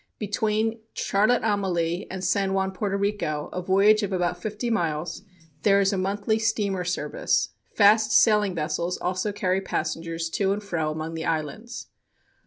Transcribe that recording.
Between Charlotte Amalie and San Juan, Porto Rico, a voyage of about fifty miles, there is a monthly steamer service. Fast sailing vessels also carry passengers to and fro among the islands.